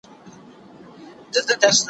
په زړه سخت په خوى ظالم لکه شداد وو